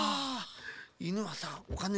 イヌはさおかね